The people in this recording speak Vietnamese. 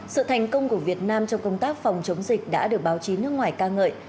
sự thành công của việt nam trong công tác phòng chống dịch đã được báo chí nước ngoài ca ngợi